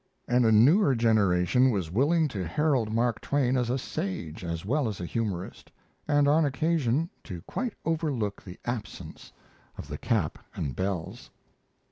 And a newer generation as willing to herald Mark Twain as a sage as well as a humorist, and on occasion to quite overlook the absence of the cap and bells.